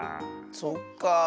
そっかあ。